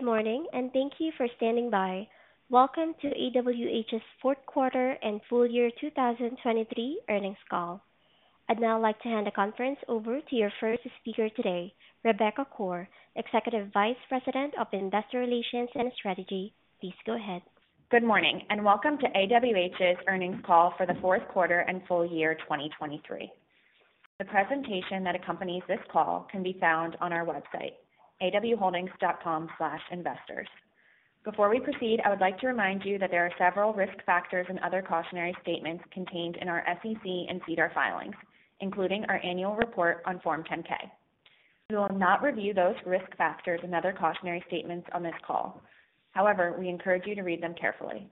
Good morning and thank you for standing by. Welcome to AWH's fourth quarter and full year 2023 earnings call. I'd now like to hand the conference over to your first speaker today, Rebecca Koar, Executive Vice President of Investor Relations and Strategy. Please go ahead. Good morning and welcome to AWH's earnings call for the fourth quarter and full year 2023. The presentation that accompanies this call can be found on our website, awholdings.com/investors. Before we proceed, I would like to remind you that there are several risk factors and other cautionary statements contained in our SEC and SEDAR filings, including our annual report on Form 10-K. We will not review those risk factors and other cautionary statements on this call. However, we encourage you to read them carefully.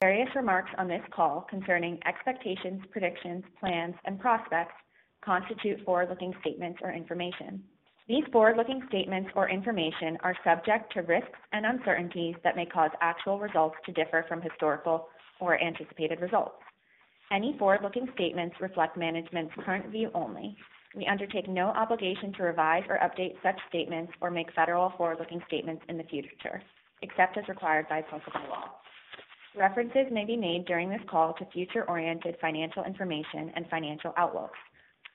Various remarks on this call concerning expectations, predictions, plans, and prospects constitute forward-looking statements or information. These forward-looking statements or information are subject to risks and uncertainties that may cause actual results to differ from historical or anticipated results. Any forward-looking statements reflect management's current view only. We undertake no obligation to revise or update such statements or make any forward-looking statements in the future, except as required by applicable law. References may be made during this call to future-oriented financial information and financial outlooks,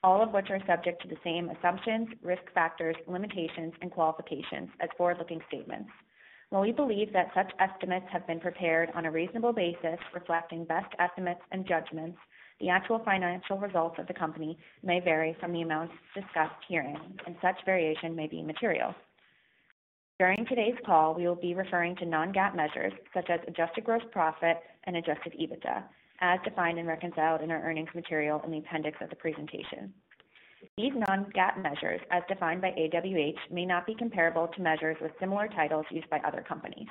all of which are subject to the same assumptions, risk factors, limitations, and qualifications as forward-looking statements. While we believe that such estimates have been prepared on a reasonable basis reflecting best estimates and judgments, the actual financial results of the company may vary from the amounts discussed herein, and such variation may be material. During today's call, we will be referring to non-GAAP measures such as adjusted gross profit and adjusted EBITDA, as defined and reconciled in our earnings material in the appendix of the presentation. These non-GAAP measures, as defined by AWH, may not be comparable to measures with similar titles used by other companies.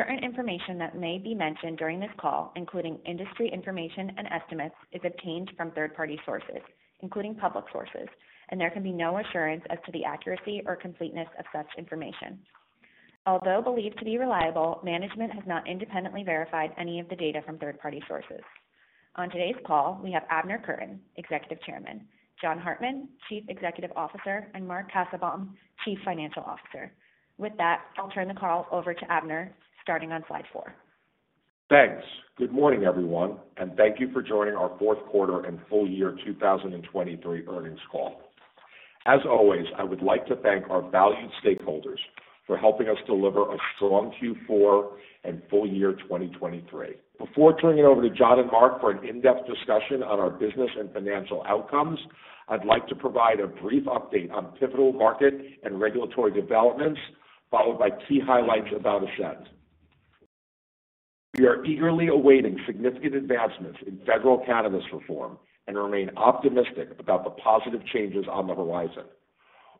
Certain information that may be mentioned during this call, including industry information and estimates, is obtained from third-party sources, including public sources, and there can be no assurance as to the accuracy or completeness of such information. Although believed to be reliable, management has not independently verified any of the data from third-party sources. On today's call, we have Abner Kurtin, Executive Chairman, John Hartmann, Chief Executive Officer, and Mark Cassebaum, Chief Financial Officer. With that, I'll turn the call over to Abner, starting on slide 4. Thanks. Good morning, everyone, and thank you for joining our fourth quarter and full year 2023 earnings call. As always, I would like to thank our valued stakeholders for helping us deliver a strong Q4 and full year 2023. Before turning it over to John and Mark for an in-depth discussion on our business and financial outcomes, I'd like to provide a brief update on pivotal market and regulatory developments, followed by key highlights about Ascend. We are eagerly awaiting significant advancements in federal cannabis reform and remain optimistic about the positive changes on the horizon.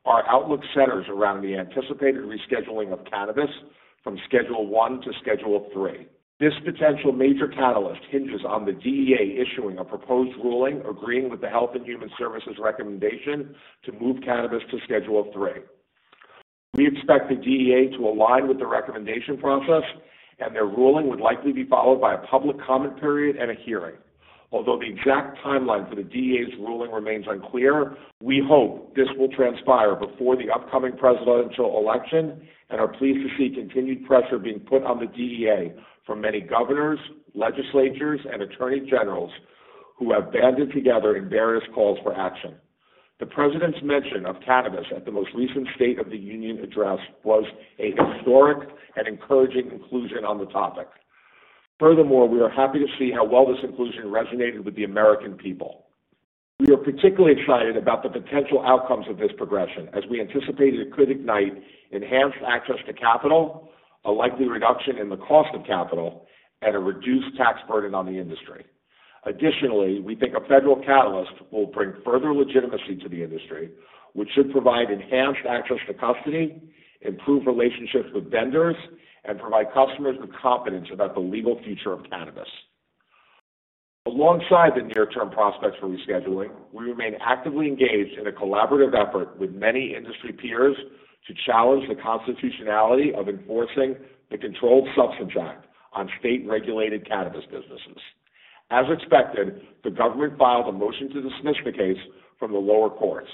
Our outlook centers around the anticipated rescheduling of cannabis from Schedule 1 to Schedule 3. This potential major catalyst hinges on the DEA issuing a proposed ruling agreeing with the Health and Human Services recommendation to move cannabis to Schedule 3. We expect the DEA to align with the recommendation process, and their ruling would likely be followed by a public comment period and a hearing. Although the exact timeline for the DEA's ruling remains unclear, we hope this will transpire before the upcoming presidential election and are pleased to see continued pressure being put on the DEA from many governors, legislatures, and attorney generals who have banded together in various calls for action. The president's mention of cannabis at the most recent State of the Union address was a historic and encouraging inclusion on the topic. Furthermore, we are happy to see how well this inclusion resonated with the American people. We are particularly excited about the potential outcomes of this progression, as we anticipate it could ignite enhanced access to capital, a likely reduction in the cost of capital, and a reduced tax burden on the industry. Additionally, we think a federal catalyst will bring further legitimacy to the industry, which should provide enhanced access to custody, improve relationships with vendors, and provide customers with confidence about the legal future of cannabis. Alongside the near-term prospects for rescheduling, we remain actively engaged in a collaborative effort with many industry peers to challenge the constitutionality of enforcing the Controlled Substances Act on state-regulated cannabis businesses. As expected, the government filed a motion to dismiss the case from the lower courts.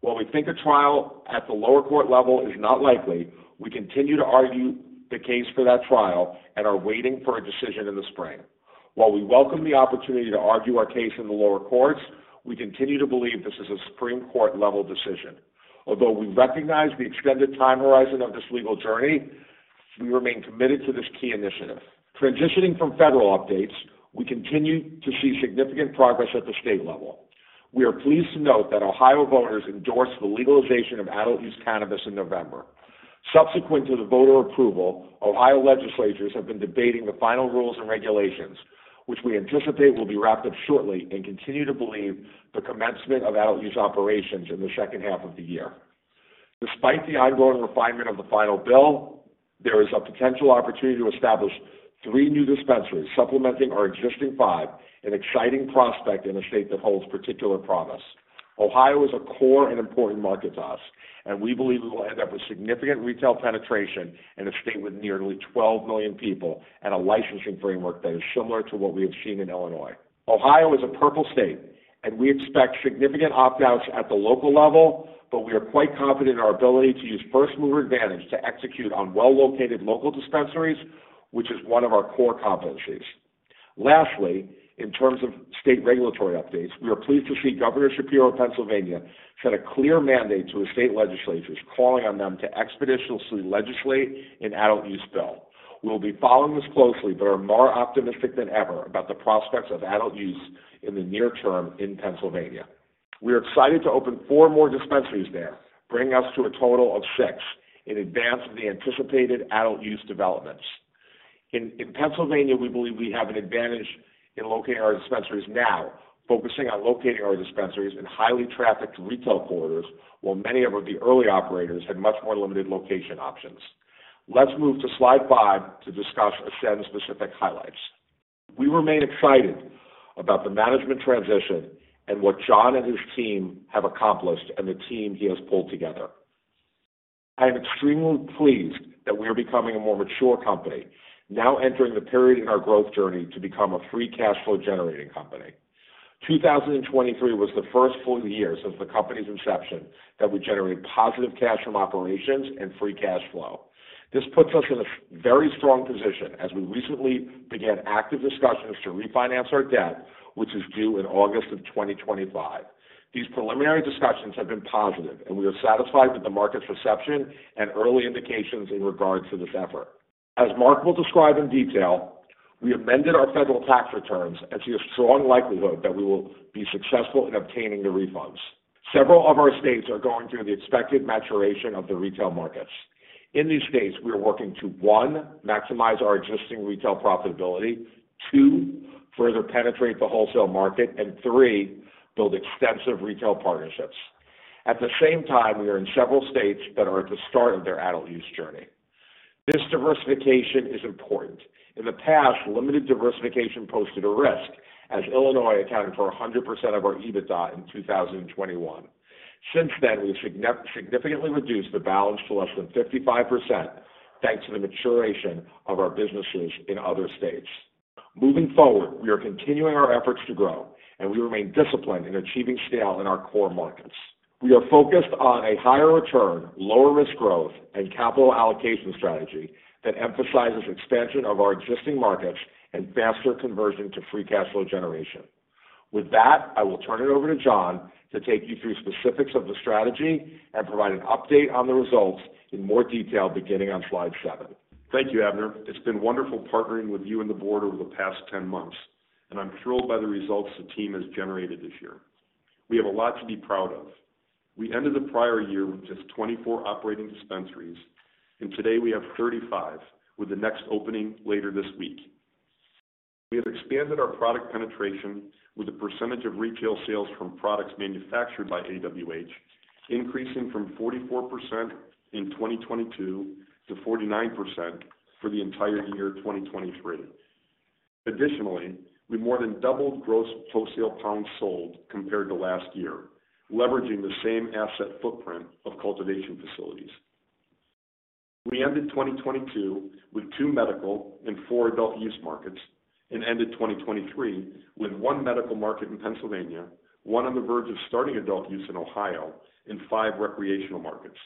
While we think a trial at the lower court level is not likely, we continue to argue the case for that trial and are waiting for a decision in the spring. While we welcome the opportunity to argue our case in the lower courts, we continue to believe this is a Supreme Court-level decision. Although we recognize the extended time horizon of this legal journey, we remain committed to this key initiative. Transitioning from federal updates, we continue to see significant progress at the state level. We are pleased to note that Ohio voters endorsed the legalization of adult-use cannabis in November. Subsequent to the voter approval, Ohio legislatures have been debating the final rules and regulations, which we anticipate will be wrapped up shortly and continue to believe the commencement of adult-use operations in the second half of the year. Despite the ongoing refinement of the final bill, there is a potential opportunity to establish three new dispensaries supplementing our existing five, an exciting prospect in a state that holds particular promise. Ohio is a core and important market to us, and we believe we will end up with significant retail penetration in a state with nearly 12 million people and a licensing framework that is similar to what we have seen in Illinois. Ohio is a purple state, and we expect significant opt-outs at the local level, but we are quite confident in our ability to use first-mover advantage to execute on well-located local dispensaries, which is one of our core competencies. Lastly, in terms of state regulatory updates, we are pleased to see Governor Shapiro of Pennsylvania set a clear mandate to his state legislatures, calling on them to expeditiously legislate an adult-use bill. We will be following this closely but are more optimistic than ever about the prospects of adult use in the near term in Pennsylvania. We are excited to open four more dispensaries there, bringing us to a total of six in advance of the anticipated adult-use developments. In Pennsylvania, we believe we have an advantage in locating our dispensaries now, focusing on locating our dispensaries in highly trafficked retail corridors while many of the early operators had much more limited location options. Let's move to slide 5 to discuss Ascend's specific highlights. We remain excited about the management transition and what John and his team have accomplished and the team he has pulled together. I am extremely pleased that we are becoming a more mature company, now entering the period in our growth journey to become a free cash flow-generating company. 2023 was the first full year since the company's inception that we generated positive cash from operations and free cash flow. This puts us in a very strong position as we recently began active discussions to refinance our debt, which is due in August of 2025. These preliminary discussions have been positive, and we are satisfied with the market's reception and early indications in regard to this effort. As Mark will describe in detail, we amended our federal tax returns and see a strong likelihood that we will be successful in obtaining the refunds. Several of our states are going through the expected maturation of the retail markets. In these states, we are working to 1, maximize our existing retail profitability, 2, further penetrate the wholesale market, and 3, build extensive retail partnerships. At the same time, we are in several states that are at the start of their adult-use journey. This diversification is important. In the past, limited diversification posed a risk, as Illinois accounted for 100% of our EBITDA in 2021. Since then, we have significantly reduced the balance to less than 55% thanks to the maturation of our businesses in other states. Moving forward, we are continuing our efforts to grow, and we remain disciplined in achieving scale in our core markets. We are focused on a higher return, lower-risk growth, and capital allocation strategy that emphasizes expansion of our existing markets and faster conversion to free cash flow generation. With that, I will turn it over to John to take you through specifics of the strategy and provide an update on the results in more detail beginning on slide 7. Thank you, Abner. It's been wonderful partnering with you and the board over the past 10 months, and I'm thrilled by the results the team has generated this year. We have a lot to be proud of. We ended the prior year with just 24 operating dispensaries, and today we have 35 with the next opening later this week. We have expanded our product penetration with a percentage of retail sales from products manufactured by AWH increasing from 44% in 2022 to 49% for the entire year 2023. Additionally, we more than doubled gross post-sale pounds sold compared to last year, leveraging the same asset footprint of cultivation facilities. We ended 2022 with two medical and four adult-use markets and ended 2023 with one medical market in Pennsylvania, one on the verge of starting adult use in Ohio, and five recreational markets.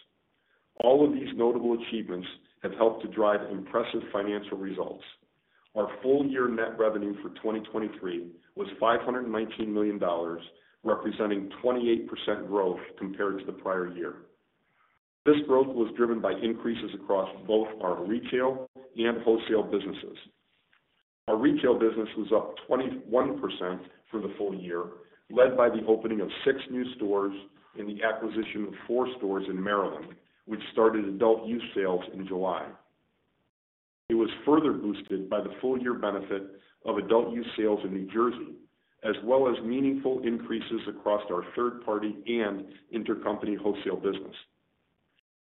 All of these notable achievements have helped to drive impressive financial results. Our full-year net revenue for 2023 was $519 million, representing 28% growth compared to the prior year. This growth was driven by increases across both our retail and wholesale businesses. Our retail business was up 21% for the full year, led by the opening of six new stores and the acquisition of four stores in Maryland, which started adult-use sales in July. It was further boosted by the full-year benefit of adult-use sales in New Jersey, as well as meaningful increases across our third-party and intercompany wholesale business.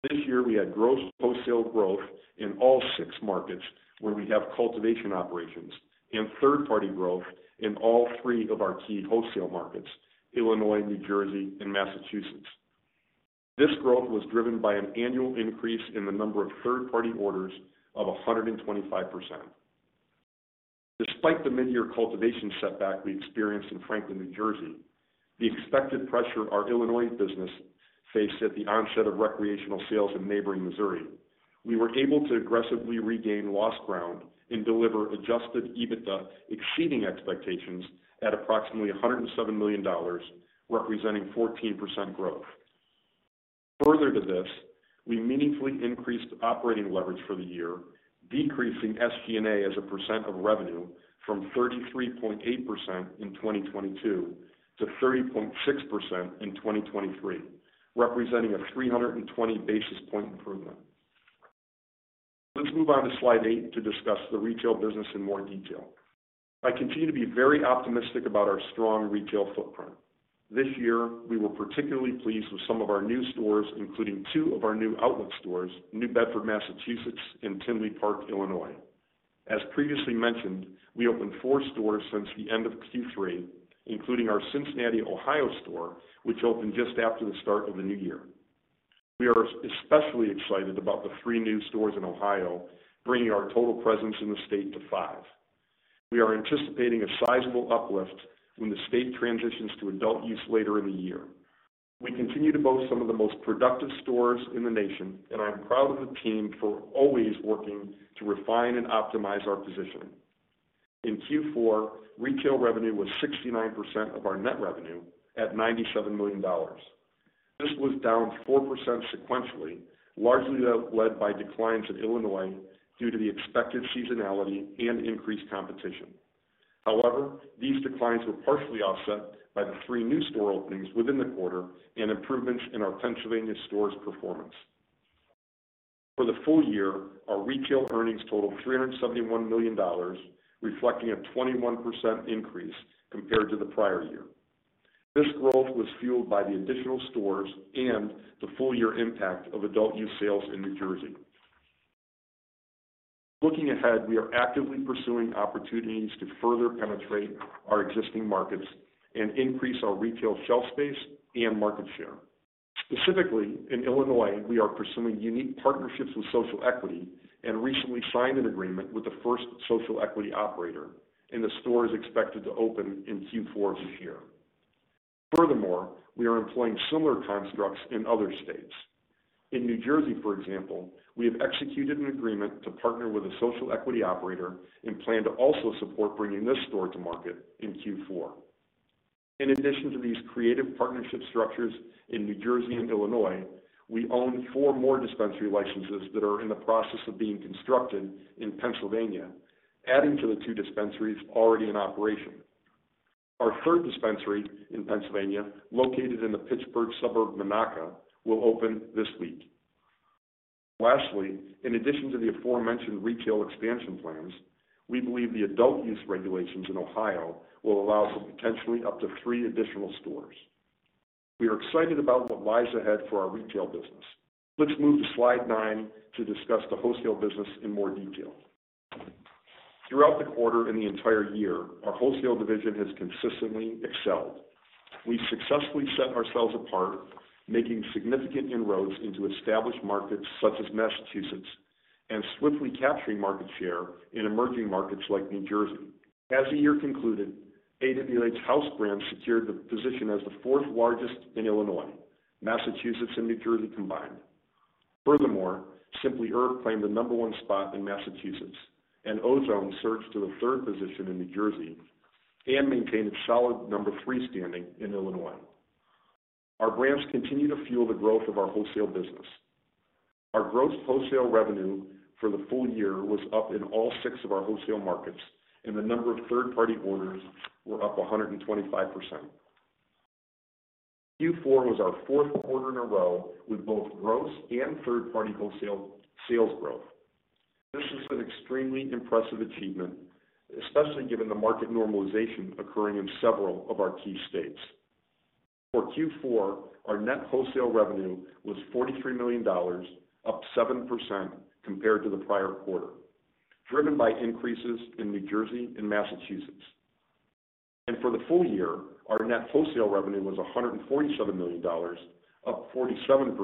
This year, we had gross post-sale growth in all six markets where we have cultivation operations and third-party growth in all three of our key wholesale markets: Illinois, New Jersey, and Massachusetts. This growth was driven by an annual increase in the number of third-party orders of 125%. Despite the midyear cultivation setback we experienced in Franklin, New Jersey, the expected pressure our Illinois business faced at the onset of recreational sales in neighboring Missouri, we were able to aggressively regain lost ground and deliver Adjusted EBITDA exceeding expectations at approximately $107 million, representing 14% growth. Further to this, we meaningfully increased operating leverage for the year, decreasing SG&A as a percent of revenue from 33.8% in 2022 to 30.6% in 2023, representing a 320 basis point improvement. Let's move on to slide 8 to discuss the retail business in more detail. I continue to be very optimistic about our strong retail footprint. This year, we were particularly pleased with some of our new stores, including two of our new outlet stores, New Bedford, Massachusetts, and Tinley Park, Illinois. As previously mentioned, we opened 4 stores since the end of Q3, including our Cincinnati, Ohio store, which opened just after the start of the new year. We are especially excited about the 3 new stores in Ohio bringing our total presence in the state to 5. We are anticipating a sizable uplift when the state transitions to adult use later in the year. We continue to boast some of the most productive stores in the nation, and I am proud of the team for always working to refine and optimize our positioning. In Q4, retail revenue was 69% of our net revenue at $97 million. This was down 4% sequentially, largely led by declines in Illinois due to the expected seasonality and increased competition. However, these declines were partially offset by the 3 new store openings within the quarter and improvements in our Pennsylvania store's performance. For the full year, our retail earnings totaled $371 million, reflecting a 21% increase compared to the prior year. This growth was fueled by the additional stores and the full-year impact of adult-use sales in New Jersey. Looking ahead, we are actively pursuing opportunities to further penetrate our existing markets and increase our retail shelf space and market share. Specifically, in Illinois, we are pursuing unique partnerships with Social Equity and recently signed an agreement with the first Social Equity operator, and the store is expected to open in Q4 of this year. Furthermore, we are employing similar constructs in other states. In New Jersey, for example, we have executed an agreement to partner with a Social Equity operator and plan to also support bringing this store to market in Q4. In addition to these creative partnership structures in New Jersey and Illinois, we own four more dispensary licenses that are in the process of being constructed in Pennsylvania, adding to the two dispensaries already in operation. Our third dispensary in Pennsylvania, located in the Pittsburgh suburb of Monaca, will open this week. Lastly, in addition to the aforementioned retail expansion plans, we believe the adult-use regulations in Ohio will allow for potentially up to three additional stores. We are excited about what lies ahead for our retail business. Let's move to slide 9 to discuss the wholesale business in more detail. Throughout the quarter and the entire year, our wholesale division has consistently excelled. We successfully set ourselves apart, making significant inroads into established markets such as Massachusetts, and swiftly capturing market share in emerging markets like New Jersey. As the year concluded, AWH's house brand secured the position as the fourth largest in Illinois, Massachusetts, and New Jersey combined. Furthermore, Simply Herb claimed the number one spot in Massachusetts, and Ozone surged to the third position in New Jersey and maintained its solid number three standing in Illinois. Our brands continue to fuel the growth of our wholesale business. Our gross post-sale revenue for the full year was up in all six of our wholesale markets, and the number of third-party orders was up 125%. Q4 was our fourth quarter in a row with both gross and third-party wholesale sales growth. This has been an extremely impressive achievement, especially given the market normalization occurring in several of our key states. For Q4, our net wholesale revenue was $43 million, up 7% compared to the prior quarter, driven by increases in New Jersey and Massachusetts. For the full year, our net wholesale revenue was $147 million, up 47%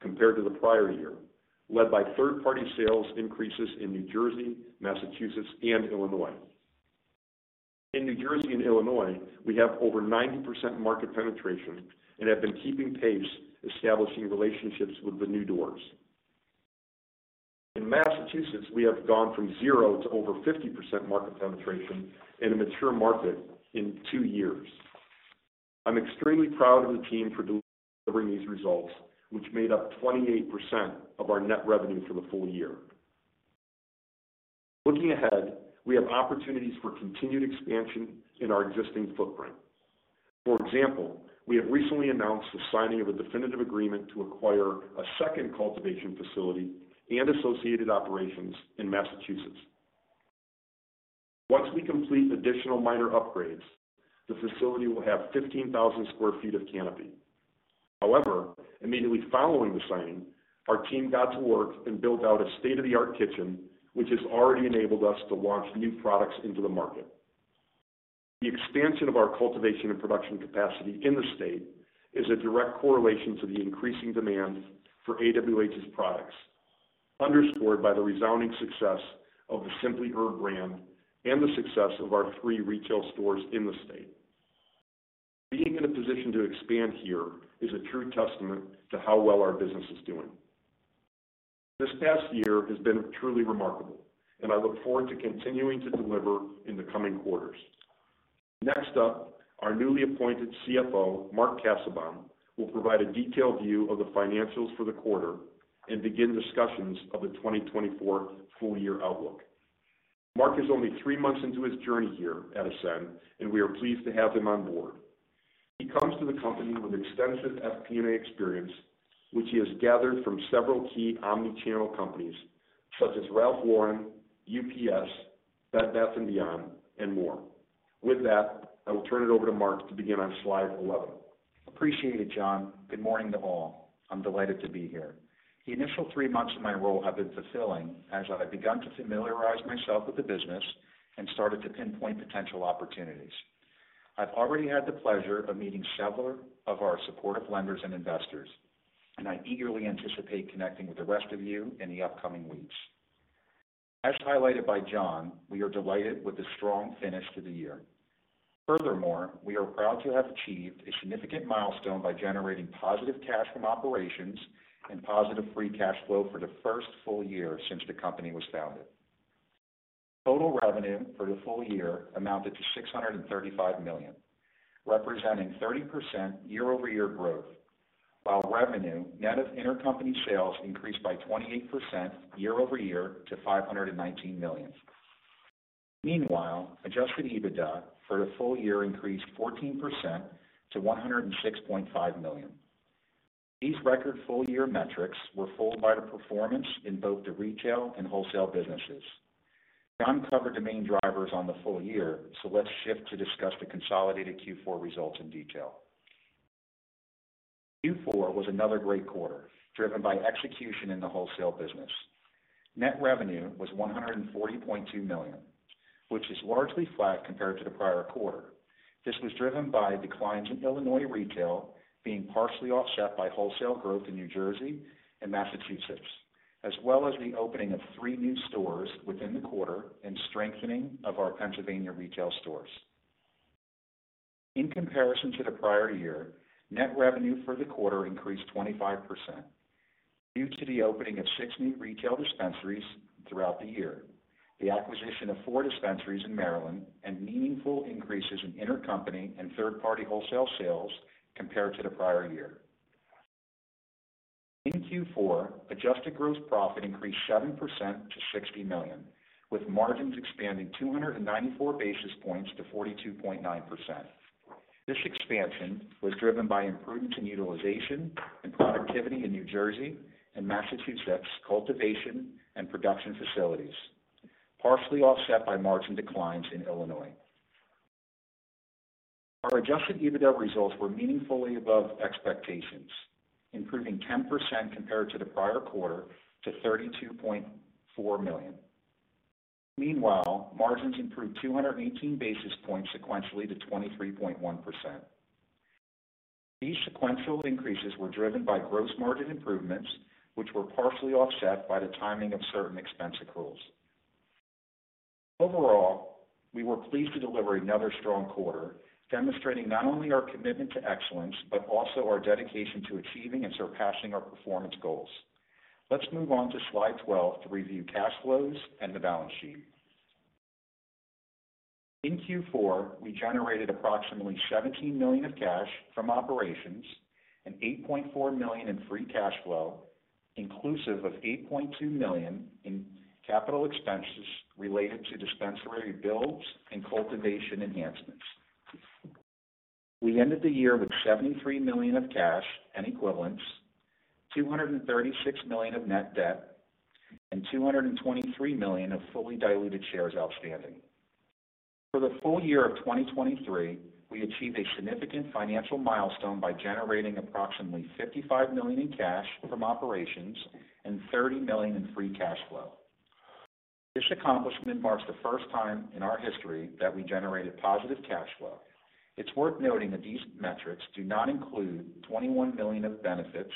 compared to the prior year, led by third-party sales increases in New Jersey, Massachusetts, and Illinois. In New Jersey and Illinois, we have over 90% market penetration and have been keeping pace, establishing relationships with the new doors. In Massachusetts, we have gone from zero to over 50% market penetration in a mature market in two years. I'm extremely proud of the team for delivering these results, which made up 28% of our net revenue for the full year. Looking ahead, we have opportunities for continued expansion in our existing footprint. For example, we have recently announced the signing of a definitive agreement to acquire a second cultivation facility and associated operations in Massachusetts. Once we complete additional minor upgrades, the facility will have 15,000 sq ft of canopy. However, immediately following the signing, our team got to work and built out a state-of-the-art kitchen, which has already enabled us to launch new products into the market. The expansion of our cultivation and production capacity in the state is a direct correlation to the increasing demand for AWH's products, underscored by the resounding success of the Simply Herb brand and the success of our three retail stores in the state. Being in a position to expand here is a true testament to how well our business is doing. This past year has been truly remarkable, and I look forward to continuing to deliver in the coming quarters. Next up, our newly appointed CFO, Mark Cassebaum, will provide a detailed view of the financials for the quarter and begin discussions of the 2024 full-year outlook. Mark is only three months into his journey here at Ascend, and we are pleased to have him on board. He comes to the company with extensive FP&A experience, which he has gathered from several key omnichannel companies such as Ralph Lauren, UPS, Bed Bath & Beyond, and more. With that, I will turn it over to Mark to begin on slide 11. Appreciate it, John. Good morning to all. I'm delighted to be here. The initial three months of my role have been fulfilling as I've begun to familiarize myself with the business and started to pinpoint potential opportunities. I've already had the pleasure of meeting several of our supportive lenders and investors, and I eagerly anticipate connecting with the rest of you in the upcoming weeks. As highlighted by John, we are delighted with the strong finish to the year. Furthermore, we are proud to have achieved a significant milestone by generating positive cash from operations and positive free cash flow for the first full year since the company was founded. Total revenue for the full year amounted to $635 million, representing 30% year-over-year growth, while revenue net of intercompany sales increased by 28% year-over-year to $519 million. Meanwhile, Adjusted EBITDA for the full year increased 14% to $106.5 million. These record full-year metrics were fueled by the performance in both the retail and wholesale businesses. John covered the main drivers on the full year, so let's shift to discuss the consolidated Q4 results in detail. Q4 was another great quarter, driven by execution in the wholesale business. Net revenue was $140.2 million, which is largely flat compared to the prior quarter. This was driven by declines in Illinois retail being partially offset by wholesale growth in New Jersey and Massachusetts, as well as the opening of three new stores within the quarter and strengthening of our Pennsylvania retail stores. In comparison to the prior year, net revenue for the quarter increased 25% due to the opening of six new retail dispensaries throughout the year, the acquisition of four dispensaries in Maryland, and meaningful increases in intercompany and third-party wholesale sales compared to the prior year. In Q4, Adjusted Gross Profit increased 7% to $60 million, with margins expanding 294 basis points to 42.9%. This expansion was driven by improvements in utilization and productivity in New Jersey and Massachusetts' cultivation and production facilities, partially offset by margin declines in Illinois. Our Adjusted EBITDA results were meaningfully above expectations, improving 10% compared to the prior quarter to $32.4 million. Meanwhile, margins improved 218 basis points sequentially to 23.1%. These sequential increases were driven by gross margin improvements, which were partially offset by the timing of certain expense accruals. Overall, we were pleased to deliver another strong quarter, demonstrating not only our commitment to excellence but also our dedication to achieving and surpassing our performance goals. Let's move on to slide 12 to review cash flows and the balance sheet. In Q4, we generated approximately $17 million of cash from operations and $8.4 million in free cash flow, inclusive of $8.2 million in capital expenses related to dispensary builds and cultivation enhancements. We ended the year with $73 million of cash and equivalents, $236 million of net debt, and $223 million of fully diluted shares outstanding. For the full year of 2023, we achieved a significant financial milestone by generating approximately $55 million in cash from operations and $30 million in free cash flow. This accomplishment marks the first time in our history that we generated positive cash flow. It's worth noting that these metrics do not include $21 million of benefits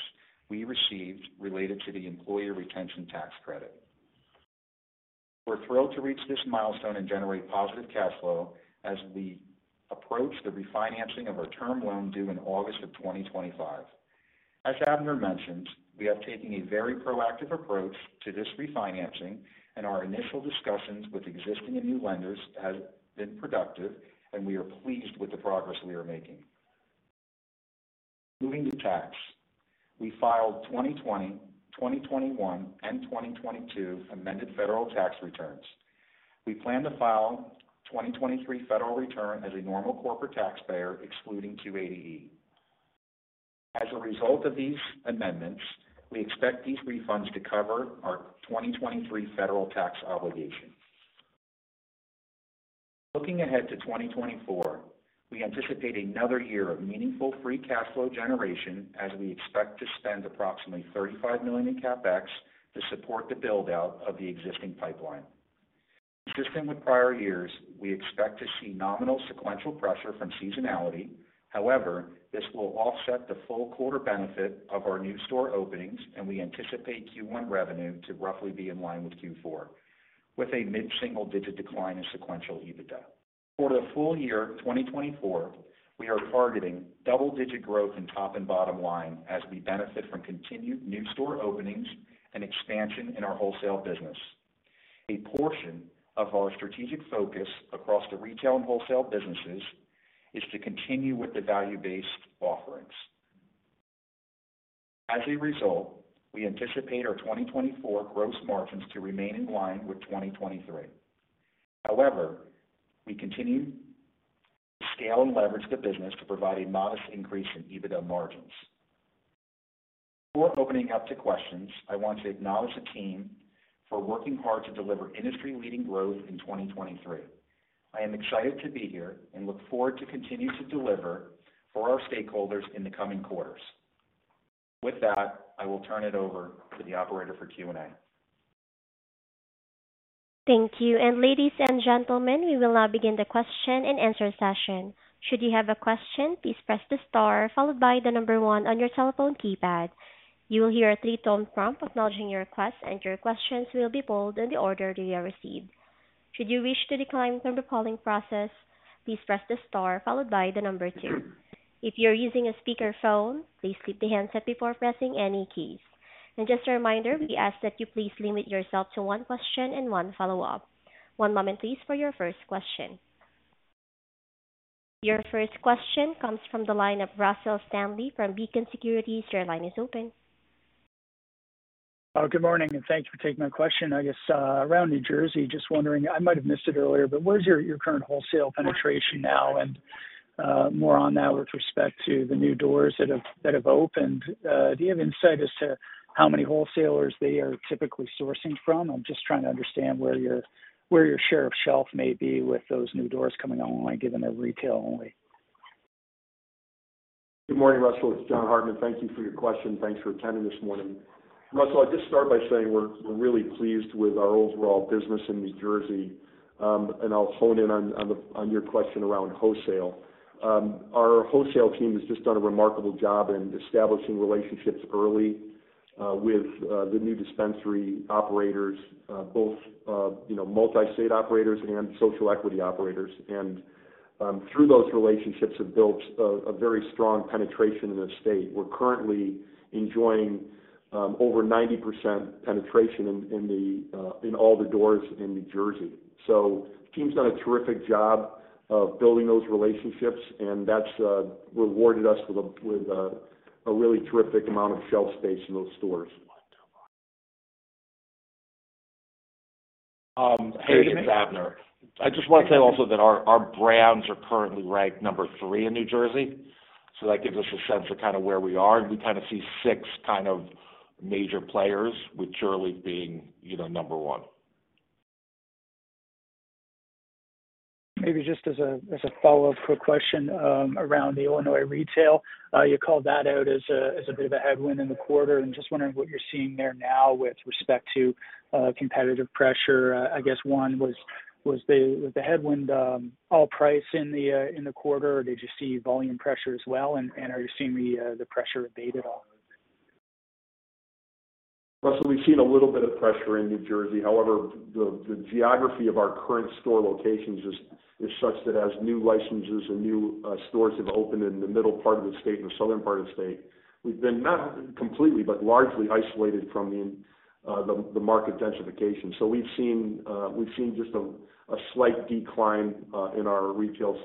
we received related to the Employer Retention Tax Credit. We're thrilled to reach this milestone and generate positive cash flow as we approach the refinancing of our term loan due in August of 2025. As Abner mentioned, we have taken a very proactive approach to this refinancing, and our initial discussions with existing and new lenders have been productive, and we are pleased with the progress we are making. Moving to tax, we filed 2020, 2021, and 2022 amended federal tax returns. We plan to file 2023 federal return as a normal corporate taxpayer, excluding 280E. As a result of these amendments, we expect these refunds to cover our 2023 federal tax obligation. Looking ahead to 2024, we anticipate another year of meaningful free cash flow generation as we expect to spend approximately $35 million in CapEx to support the buildout of the existing pipeline. Consistent with prior years, we expect to see nominal sequential pressure from seasonality. However, this will offset the full quarter benefit of our new store openings, and we anticipate Q1 revenue to roughly be in line with Q4, with a mid-single digit decline in sequential EBITDA. For the full year 2024, we are targeting double-digit growth in top and bottom line as we benefit from continued new store openings and expansion in our wholesale business. A portion of our strategic focus across the retail and wholesale businesses is to continue with the value-based offerings. As a result, we anticipate our 2024 gross margins to remain in line with 2023. However, we continue to scale and leverage the business to provide a modest increase in EBITDA margins. Before opening up to questions, I want to acknowledge the team for working hard to deliver industry-leading growth in 2023. I am excited to be here and look forward to continuing to deliver for our stakeholders in the coming quarters. With that, I will turn it over to the operator for Q&A. Thank you. And ladies and gentlemen, we will now begin the question-and-answer session. Should you have a question, please press the star followed by 1 on your telephone keypad. You will hear a three-tone prompt acknowledging your request, and your questions will be polled in the order you receive. Should you wish to decline from the polling process, please press the star followed by 2. If you're using a speakerphone, please lift the handset before pressing any keys. And just a reminder, we ask that you please limit yourself to 1 question and 1 follow-up. One moment, please, for your first question. Your first question comes from the line of Russell Stanley from Beacon Securities. Your line is open. Good morning, and thanks for taking my question. I guess, around New Jersey, just wondering I might have missed it earlier, but where's your current wholesale penetration now and more on that with respect to the new doors that have opened? Do you have insight as to how many wholesalers they are typically sourcing from? I'm just trying to understand where your share of shelf may be with those new doors coming online, given they're retail-only. Good morning, Russell. It's John Hartmann. Thank you for your question. Thanks for attending this morning. Russell, I'd just start by saying we're really pleased with our overall business in New Jersey, and I'll hone in on your question around wholesale. Our wholesale team has just done a remarkable job in establishing relationships early with the new dispensary operators, both multi-state operators and social equity operators. And through those relationships, have built a very strong penetration in the state. We're currently enjoying over 90% penetration in all the doors in New Jersey. So the team's done a terrific job of building those relationships, and that's rewarded us with a really terrific amount of shelf space in those stores. Hey, this is Abner. I just want to say also that our brands are currently ranked number 3 in New Jersey, so that gives us a sense of kind of where we are. We kind of see 6 kind of major players, with Curaleaf being number 1. Maybe just as a follow-up quick question around the Illinois retail. You called that out as a bit of a headwind in the quarter, and just wondering what you're seeing there now with respect to competitive pressure. I guess, one, was the headwind all price in the quarter, or did you see volume pressure as well? And are you seeing the pressure abate at all? Russell, we've seen a little bit of pressure in New Jersey. However, the geography of our current store locations is such that as new licenses and new stores have opened in the middle part of the state and the southern part of the state, we've been not completely but largely isolated from the market densification. So we've seen just a slight decline in our retail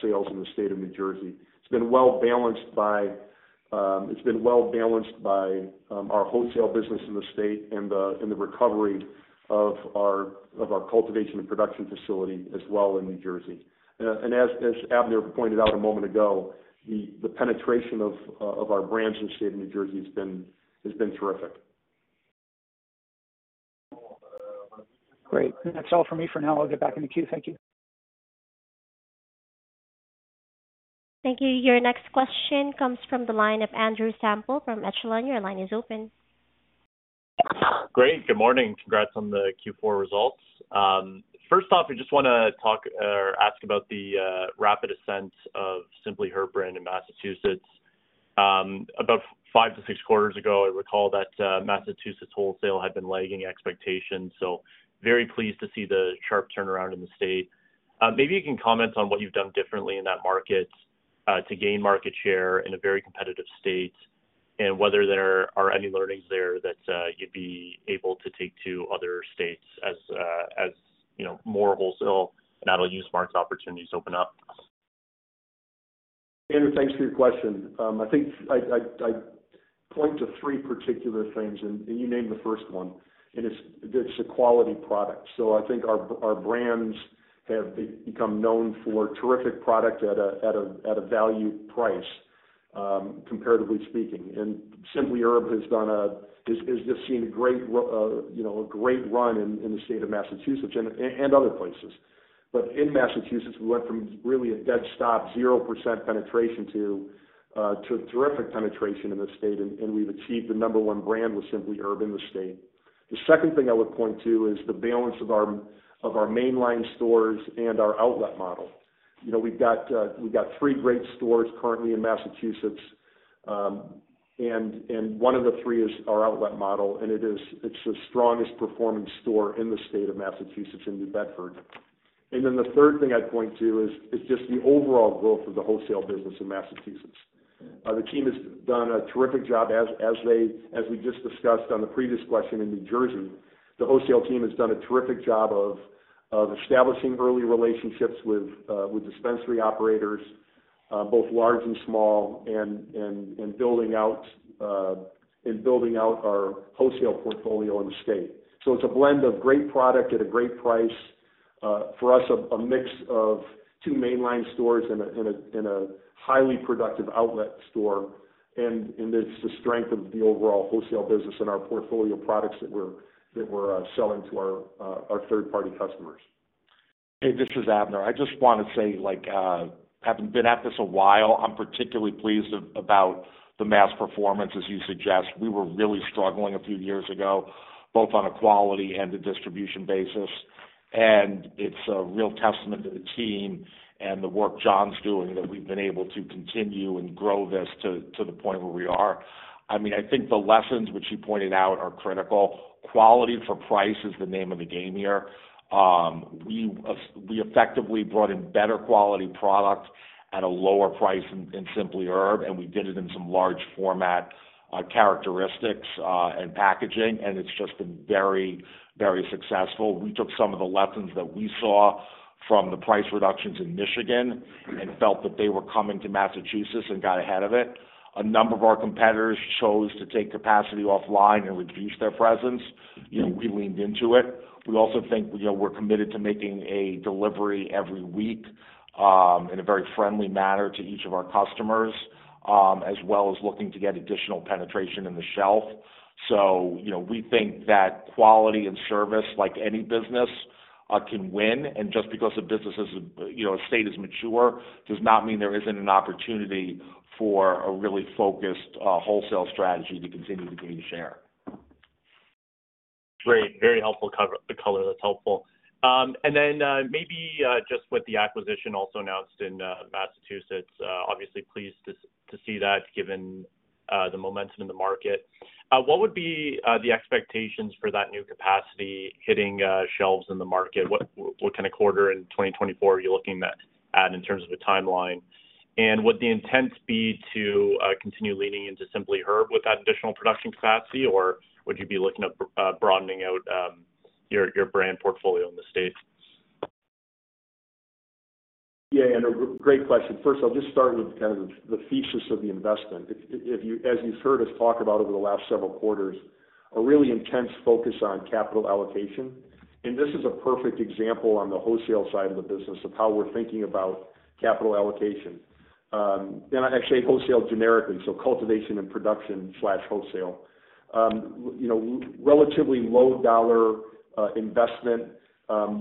sales in the state of New Jersey. It's been well balanced by our wholesale business in the state and the recovery of our cultivation and production facility as well in New Jersey. And as Abner pointed out a moment ago, the penetration of our brands in the state of New Jersey has been terrific. Great. That's all for me for now. I'll get back in the queue. Thank you. Thank you. Your next question comes from the line of Andrew Semple from Echelon. Your line is open. Great. Good morning. Congrats on the Q4 results. First off, I just want to talk or ask about the rapid ascent of the Simply Herb brand in Massachusetts. About 5-6 quarters ago, I recall that Massachusetts wholesale had been lagging expectations, so very pleased to see the sharp turnaround in the state. Maybe you can comment on what you've done differently in that market to gain market share in a very competitive state and whether there are any learnings there that you'd be able to take to other states as more wholesale and adult-use market opportunities open up. Andrew, thanks for your question. I think I'd point to three particular things, and you named the first one, and it's the quality product. So I think our brands have become known for terrific product at a value price, comparatively speaking. And Simply Herb has just seen a great run in the state of Massachusetts and other places. But in Massachusetts, we went from really a dead stop, 0% penetration, to terrific penetration in the state, and we've achieved the number one brand with Simply Herb in the state. The second thing I would point to is the balance of our mainline stores and our outlet model. We've got three great stores currently in Massachusetts, and one of the three is our outlet model, and it's the strongest performing store in the state of Massachusetts in New Bedford. Then the third thing I'd point to is just the overall growth of the wholesale business in Massachusetts. The team has done a terrific job, as we just discussed on the previous question, in New Jersey. The wholesale team has done a terrific job of establishing early relationships with dispensary operators, both large and small, and building out our wholesale portfolio in the state. It's a blend of great product at a great price, for us, a mix of two mainline stores and a highly productive outlet store. It's the strength of the overall wholesale business and our portfolio products that we're selling to our third-party customers. Hey, this is Abner. I just want to say, having been at this a while, I'm particularly pleased about the Massachusetts performance, as you suggest. We were really struggling a few years ago, both on a quality and a distribution basis. It's a real testament to the team and the work John's doing that we've been able to continue and grow this to the point where we are. I mean, I think the lessons, which you pointed out, are critical. Quality for price is the name of the game here. We effectively brought in better quality product at a lower price in Simply Herb, and we did it in some large format characteristics and packaging, and it's just been very, very successful. We took some of the lessons that we saw from the price reductions in Michigan and felt that they were coming to Massachusetts and got ahead of it. A number of our competitors chose to take capacity offline and reduce their presence. We leaned into it. We also think we're committed to making a delivery every week in a very friendly manner to each of our customers, as well as looking to get additional penetration in the shelf. So we think that quality and service, like any business, can win. And just because a business is a state is mature does not mean there isn't an opportunity for a really focused wholesale strategy to continue to gain share. Great. Very helpful color. That's helpful. And then maybe just with the acquisition also announced in Massachusetts, obviously pleased to see that given the momentum in the market. What would be the expectations for that new capacity hitting shelves in the market? What kind of quarter in 2024 are you looking at in terms of a timeline? And would the intent be to continue leaning into Simply Herb with that additional production capacity, or would you be looking at broadening out your brand portfolio in the state? Yeah, Andrew, great question. First, I'll just start with kind of the thesis of the investment. As you've heard us talk about over the last several quarters, a really intense focus on capital allocation. And this is a perfect example on the wholesale side of the business of how we're thinking about capital allocation. And I say wholesale generically, so cultivation and production/wholesale. Relatively low-dollar investment.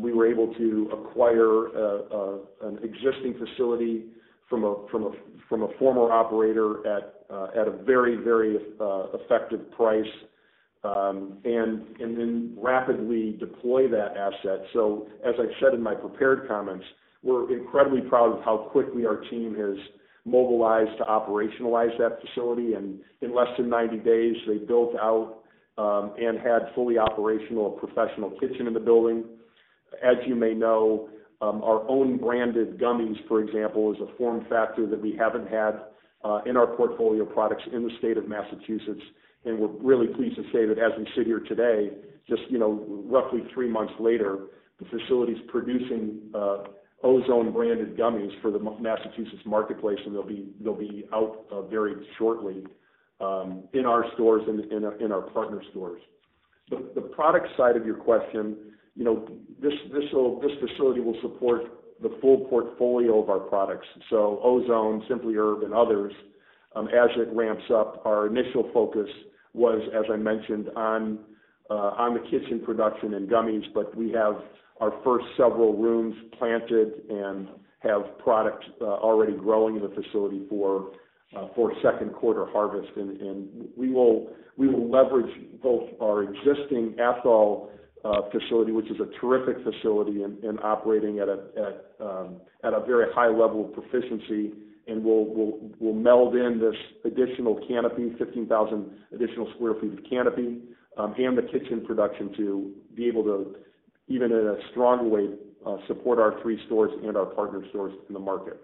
We were able to acquire an existing facility from a former operator at a very, very effective price and then rapidly deploy that asset. So as I've said in my prepared comments, we're incredibly proud of how quickly our team has mobilized to operationalize that facility. And in less than 90 days, they built out and had fully operational, a professional kitchen in the building. As you may know, our own branded gummies, for example, is a form factor that we haven't had in our portfolio products in the state of Massachusetts. And we're really pleased to say that as we sit here today, just roughly three months later, the facility's producing Ozone branded gummies for the Massachusetts marketplace, and they'll be out very shortly in our stores and in our partner stores. The product side of your question, this facility will support the full portfolio of our products. So Ozone, Simply Herb, and others, as it ramps up. Our initial focus was, as I mentioned, on the kitchen production and gummies, but we have our first several rooms planted and have product already growing in the facility for second quarter harvest. We will leverage both our existing Athol facility, which is a terrific facility and operating at a very high level of proficiency, and we'll meld in this additional canopy, 15,000 additional sq ft of canopy, and the kitchen production to be able to, even in a stronger way, support our three stores and our partner stores in the market.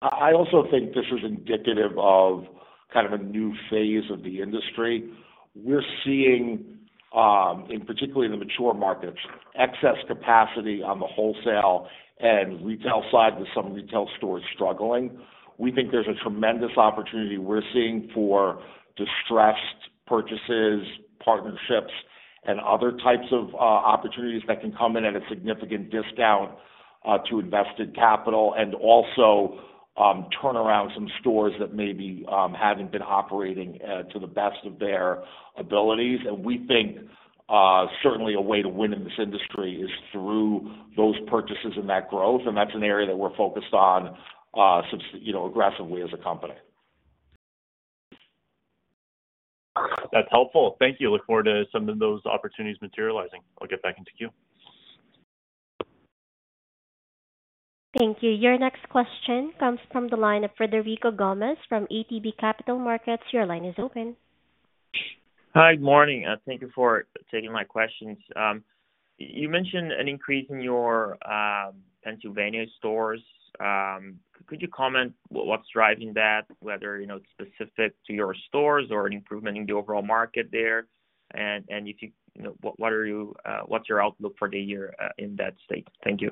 I also think this is indicative of kind of a new phase of the industry. We're seeing, particularly in the mature markets, excess capacity on the wholesale and retail side with some retail stores struggling. We think there's a tremendous opportunity we're seeing for distressed purchases, partnerships, and other types of opportunities that can come in at a significant discount to invested capital and also turn around some stores that maybe haven't been operating to the best of their abilities. We think certainly a way to win in this industry is through those purchases and that growth. That's an area that we're focused on aggressively as a company. That's helpful. Thank you. Look forward to some of those opportunities materializing. I'll get back into queue. Thank you. Your next question comes from the line of Frederico Gomes from ATB Capital Markets. Your line is open. Hi. Good morning. Thank you for taking my questions. You mentioned an increase in your Pennsylvania stores. Could you comment what's driving that, whether it's specific to your stores or an improvement in the overall market there? And what's your outlook for the year in that state? Thank you.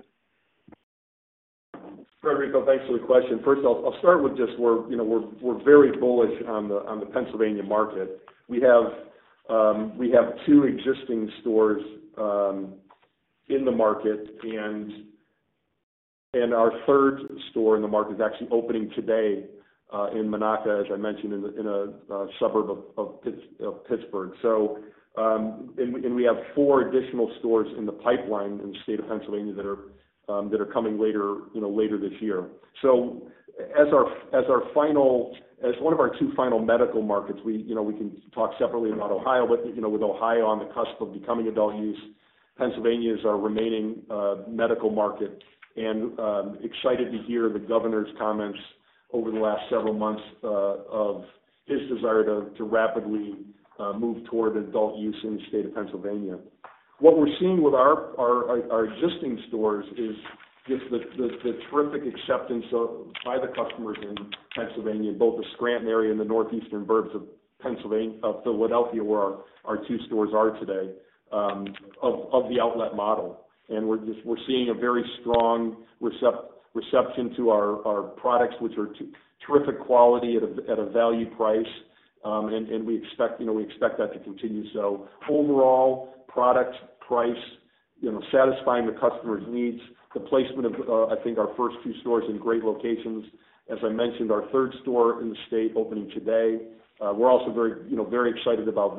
Frederico, thanks for the question. First, I'll start with just we're very bullish on the Pennsylvania market. We have two existing stores in the market, and our third store in the market is actually opening today in Monaca, as I mentioned, in a suburb of Pittsburgh. We have four additional stores in the pipeline in the state of Pennsylvania that are coming later this year. So, as one of our two final medical markets, we can talk separately about Ohio, but with Ohio on the cusp of becoming adult use, Pennsylvania is our remaining medical market. Excited to hear the governor's comments over the last several months of his desire to rapidly move toward adult use in the state of Pennsylvania. What we're seeing with our existing stores is just the terrific acceptance by the customers in Pennsylvania, both the Scranton area and the northeastern suburbs of Philadelphia, where our two stores are today, of the outlet model. And we're seeing a very strong reception to our products, which are terrific quality at a value price, and we expect that to continue so. Overall, product, price, satisfying the customer's needs, the placement of, I think, our first two stores in great locations. As I mentioned, our third store in the state opening today. We're also very excited about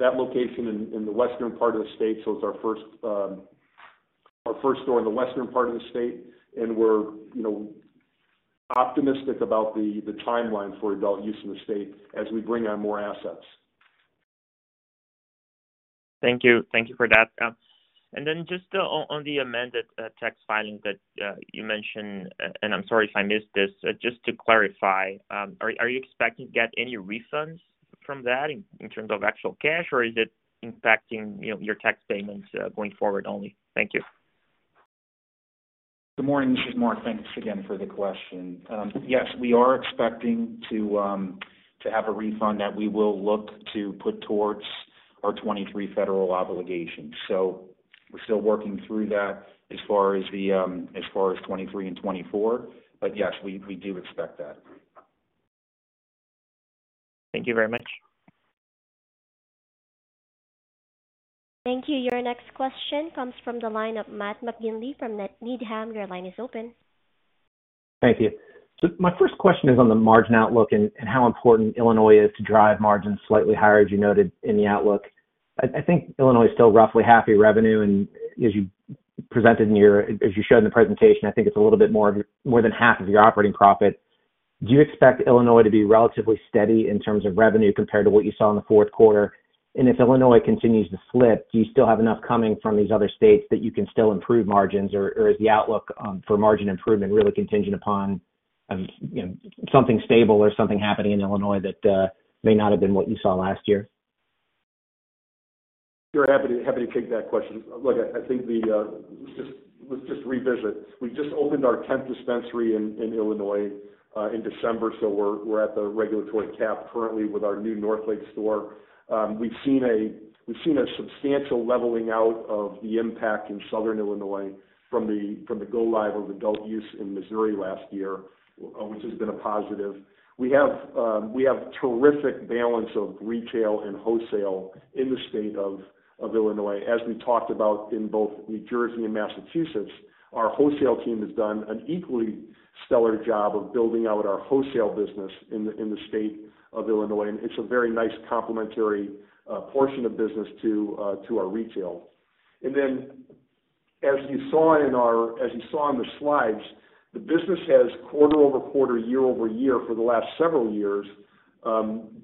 that location in the western part of the state. So it's our first store in the western part of the state, and we're optimistic about the timeline for adult-use in the state as we bring on more assets. Thank you. Thank you for that. And then just on the amended tax filing that you mentioned, and I'm sorry if I missed this, just to clarify, are you expecting to get any refunds from that in terms of actual cash, or is it impacting your tax payments going forward only? Thank you. Good morning. This is Mark. Thanks again for the question. Yes, we are expecting to have a refund that we will look to put towards our 2023 federal obligations. So we're still working through that as far as 2023 and 2024, but yes, we do expect that. Thank you very much. Thank you. Your next question comes from the line of Matt McGinley from Needham. Your line is open. Thank you. So my first question is on the margin outlook and how important Illinois is to drive margins slightly higher, as you noted in the outlook. I think Illinois is still roughly half your revenue, and as you showed in the presentation, I think it's a little bit more than half of your operating profit. Do you expect Illinois to be relatively steady in terms of revenue compared to what you saw in the fourth quarter? And if Illinois continues to slip, do you still have enough coming from these other states that you can still improve margins, or is the outlook for margin improvement really contingent upon something stable or something happening in Illinois that may not have been what you saw last year? Sure. Happy to take that question. Look, I think let's just revisit. We just opened our 10th dispensary in Illinois in December, so we're at the regulatory cap currently with our new Northlake store. We've seen a substantial leveling out of the impact in southern Illinois from the go-live of adult use in Missouri last year, which has been a positive. We have terrific balance of retail and wholesale in the state of Illinois. As we talked about in both New Jersey and Massachusetts, our wholesale team has done an equally stellar job of building out our wholesale business in the state of Illinois. It's a very nice complementary portion of business to our retail. As you saw in the slides, the business has quarter-over-quarter, year-over-year, for the last several years,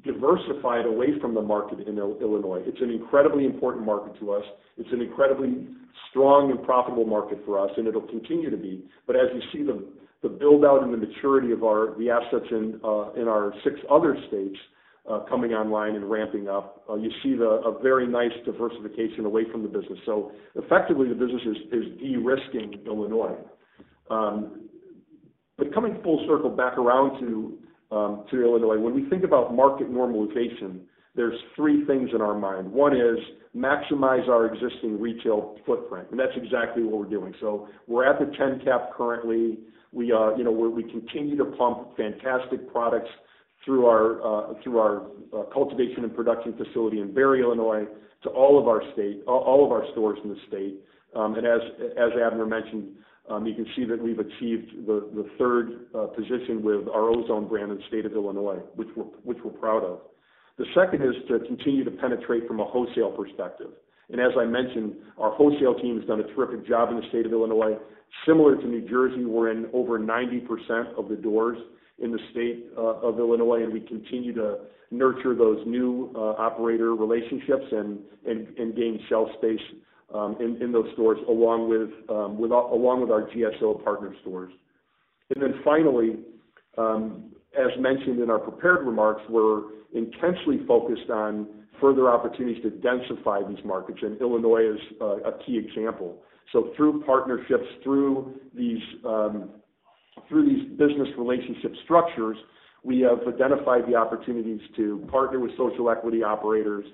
diversified away from the market in Illinois. It's an incredibly important market to us. It's an incredibly strong and profitable market for us, and it'll continue to be. But as you see the buildout and the maturity of the assets in our six other states coming online and ramping up, you see a very nice diversification away from the business. So effectively, the business is de-risking Illinois. But coming full circle back around to Illinois, when we think about market normalization, there's three things in our mind. One is maximize our existing retail footprint, and that's exactly what we're doing. So we're at the 10 cap currently. We continue to pump fantastic products through our cultivation and production facility in Barry, Illinois, to all of our stores in the state. As Abner mentioned, you can see that we've achieved the third position with our Ozone brand in the state of Illinois, which we're proud of. The second is to continue to penetrate from a wholesale perspective. As I mentioned, our wholesale team has done a terrific job in the state of Illinois. Similar to New Jersey, we're in over 90% of the doors in the state of Illinois, and we continue to nurture those new operator relationships and gain shelf space in those stores along with our MSO partner stores. Then finally, as mentioned in our prepared remarks, we're intensely focused on further opportunities to densify these markets, and Illinois is a key example. So through partnerships, through these business relationship structures, we have identified the opportunities to partner with social equity operators,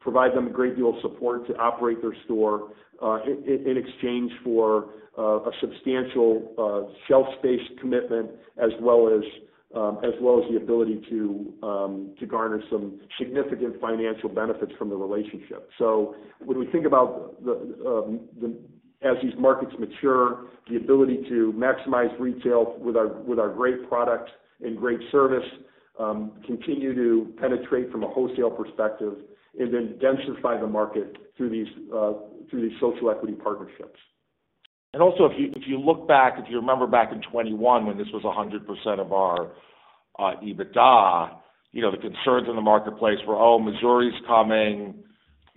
provide them a great deal of support to operate their store in exchange for a substantial shelf space commitment, as well as the ability to garner some significant financial benefits from the relationship. So when we think about the, as these markets mature, the ability to maximize retail with our great product and great service, continue to penetrate from a wholesale perspective, and then densify the market through these social equity partnerships. If you look back, if you remember back in 2021 when this was 100% of our EBITDA, the concerns in the marketplace were, "Oh, Missouri's coming.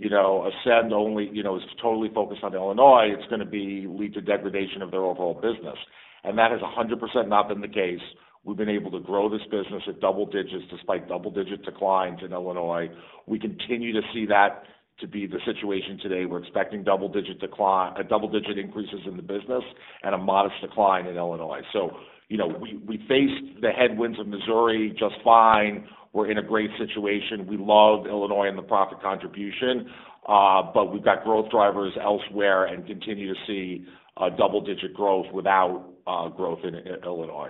Ascend only is totally focused on Illinois. It's going to lead to degradation of their overall business." And that has 100% not been the case. We've been able to grow this business at double digits despite double-digit declines in Illinois. We continue to see that to be the situation today. We're expecting double-digit increases in the business and a modest decline in Illinois. So we faced the headwinds of Missouri just fine. We're in a great situation. We love Illinois and the profit contribution, but we've got growth drivers elsewhere and continue to see double-digit growth without growth in Illinois.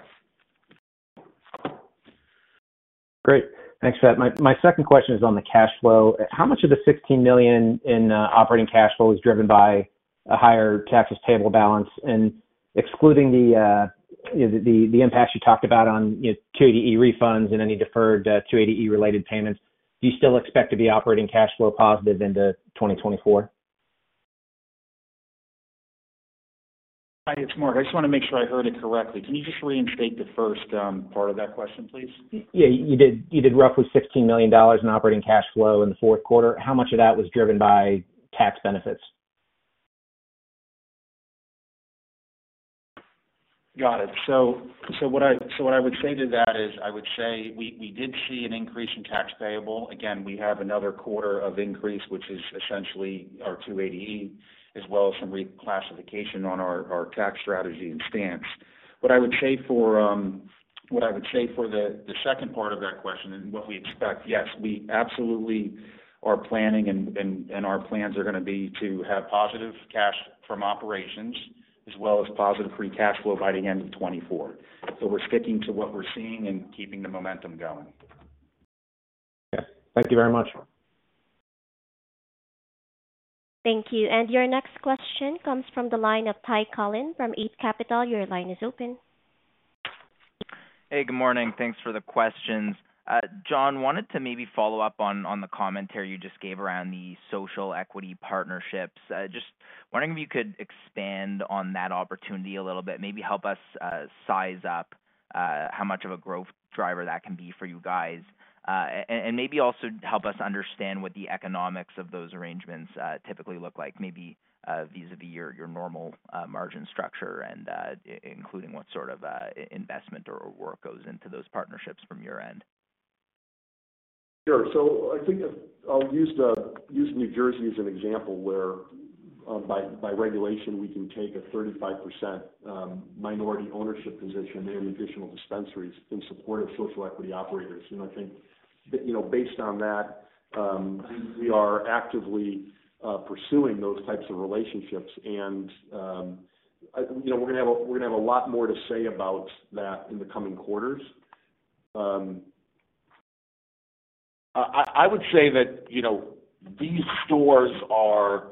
Great. Thanks, Matt. My second question is on the cash flow. How much of the $16 million in operating cash flow is driven by a higher tax table balance? And excluding the impacts you talked about on 280E refunds and any deferred 280E-related payments, do you still expect to be operating cash flow positive into 2024? Hi. It's Mark. I just want to make sure I heard it correctly. Can you just reinstate the first part of that question, please? Yeah. You did roughly $16 million in operating cash flow in the fourth quarter. How much of that was driven by tax benefits? Got it. So what I would say to that is I would say we did see an increase in tax payable. Again, we have another quarter of increase, which is essentially our 280E, as well as some reclassification on our tax strategy and stance. What I would say for what I would say for the second part of that question and what we expect, yes, we absolutely are planning, and our plans are going to be to have positive cash from operations as well as positive free cash flow by the end of 2024. So we're sticking to what we're seeing and keeping the momentum going. Yeah. Thank you very much. Thank you. Your next question comes from the line of Ty Collin from Eight Capital. Your line is open. Hey. Good morning. Thanks for the questions. John wanted to maybe follow up on the commentary you just gave around the social equity partnerships. Just wondering if you could expand on that opportunity a little bit, maybe help us size up how much of a growth driver that can be for you guys, and maybe also help us understand what the economics of those arrangements typically look like, maybe vis-à-vis your normal margin structure and including what sort of investment or work goes into those partnerships from your end? Sure. So I think I'll use New Jersey as an example where by regulation, we can take a 35% minority ownership position in additional dispensaries in support of social equity operators. And I think based on that, we are actively pursuing those types of relationships, and we're going to have a lot more to say about that in the coming quarters. I would say that these stores are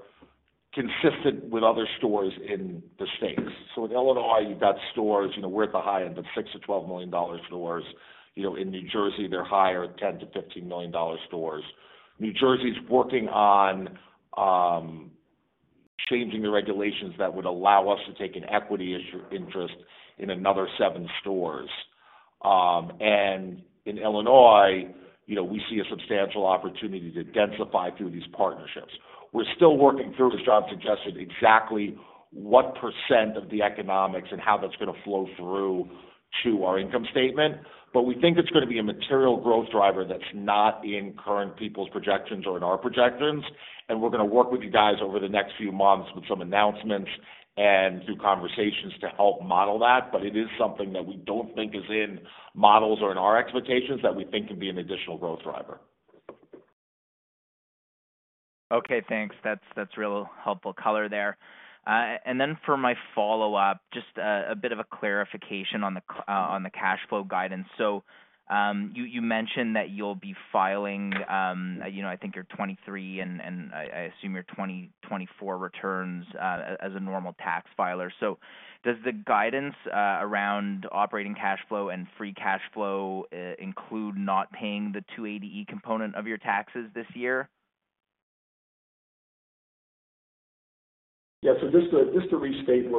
consistent with other stores in the states. So in Illinois, you've got stores we're at the high end of $6-$12 million stores. In New Jersey, they're higher, $10-$15 million stores. New Jersey's working on changing the regulations that would allow us to take an equity interest in another 7 stores. And in Illinois, we see a substantial opportunity to densify through these partnerships. We're still working through, as John suggested, exactly what percent of the economics and how that's going to flow through to our income statement. But we think it's going to be a material growth driver that's not in current people's projections or in our projections. And we're going to work with you guys over the next few months with some announcements and through conversations to help model that. But it is something that we don't think is in models or in our expectations that we think can be an additional growth driver. Okay. Thanks. That's real helpful color there. And then for my follow-up, just a bit of a clarification on the cash flow guidance. So you mentioned that you'll be filing, I think, your 2023 and I assume your 2024 returns as a normal tax filer. So does the guidance around operating cash flow and free cash flow include not paying the 280E component of your taxes this year? Yeah. So just to restate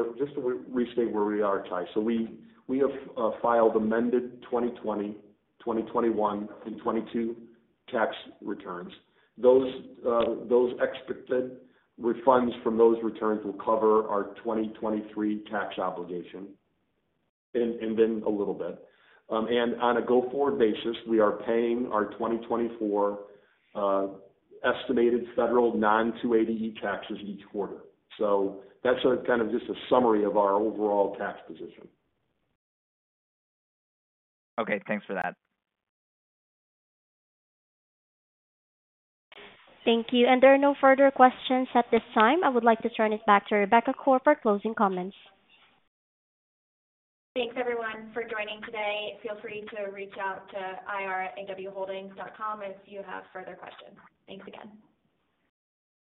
where we are, Ty. So we have filed amended 2020, 2021, and 2022 tax returns. Those expected refunds from those returns will cover our 2023 tax obligation and then a little bit. And on a go-forward basis, we are paying our 2024 estimated federal non-280E taxes each quarter. So that's kind of just a summary of our overall tax position. Okay. Thanks for that. Thank you. There are no further questions at this time. I would like to turn it back to Rebecca Koar for closing comments. Thanks, everyone, for joining today. Feel free to reach out to ir@awholdings.com if you have further questions. Thanks again.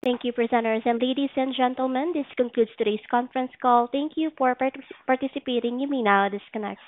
Thank you, presenters. Ladies and gentlemen, this concludes today's conference call. Thank you for participating. You may now disconnect.